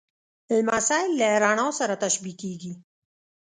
لمسی له رڼا سره تشبیه کېږي.